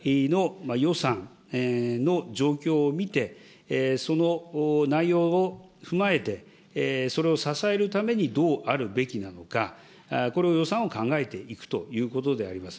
そしてその財源については、従来の予算の状況を見て、その内容を踏まえて、それを支えるためにどうあるべきなのか、これを予算を考えていくということであります。